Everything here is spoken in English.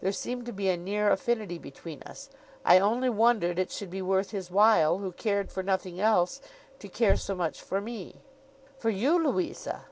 There seemed to be a near affinity between us. I only wondered it should be worth his while, who cared for nothing else, to care so much for me.' 'For you, Louisa!